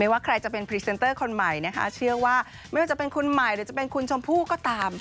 ว่าใครจะเป็นพรีเซนเตอร์คนใหม่นะคะเชื่อว่าไม่ว่าจะเป็นคุณใหม่หรือจะเป็นคุณชมพู่ก็ตาม